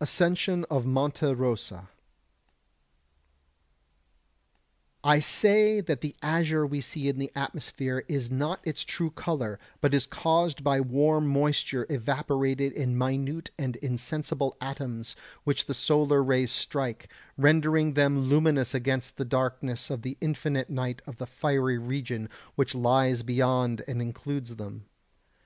[Sidenote: Ascension of Monte Rosa] 127. I say that the azure we see in the atmosphere is not its true colour, but is caused by warm moisture evaporated in minute and insensible atoms which the solar rays strike, rendering them luminous against the darkness of the infinite night of the fiery region which lies beyond and includes them.